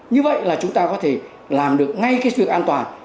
như vậy là chúng ta có thể làm được ngay cái việc an toàn